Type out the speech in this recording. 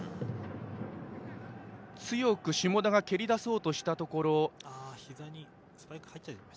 強く下田が蹴りだそうとしたところです。